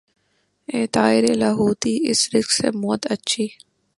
اے طائر لاہوتی اس رزق سے موت اچھی